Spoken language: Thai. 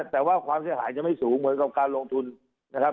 แต่ว่าความเสียหายจะไม่สูงเหมือนกับการลงทุนนะครับ